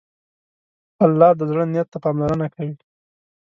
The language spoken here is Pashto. الله د زړه نیت ته پاملرنه کوي.